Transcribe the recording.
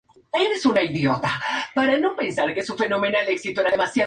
Puede causar quemaduras, siendo sumamente destructiva para las membranas mucosas.